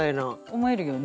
思えるよね。